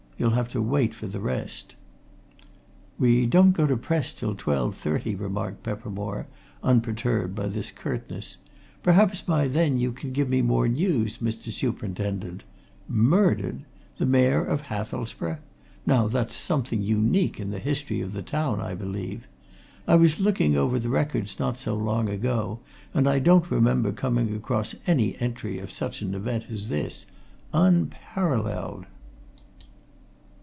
You'll have to wait for the rest." "We don't go to press till 12.30," remarked Peppermore, unperturbed by this curtness. "Perhaps by then you can give me more news, Mr. Superintendent? Murdered! The Mayor of Hathelsborough! Now that's something that's unique in the history of the town, I believe. I was looking over the records not so long since, and I don't remember coming across any entry of such an event as this. Unparalleled!"